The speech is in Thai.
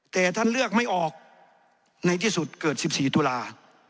แต่ท่านเลือกไม่ออกในที่สุดเกิด๑๔ตุลา